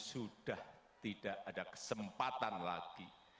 sudah tidak ada kesempatan lagi